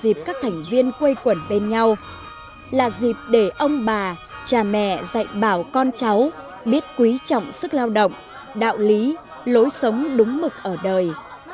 lễ tết là dịp các thành viên quây quẩn bên nhau là dịp để ông bà cha mẹ dạy bảo con cháu biết quý trọng sức lao động đạo lý lối sống đúng mực ở đời